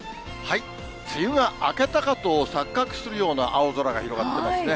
梅雨が明けたかと錯覚するような青空が広がっていますね。